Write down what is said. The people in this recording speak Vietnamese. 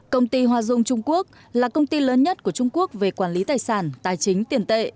công ty hoa dung trung quốc là công ty lớn nhất của trung quốc về quản lý tài sản tài chính tiền tệ